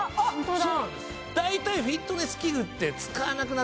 そうなんですよ。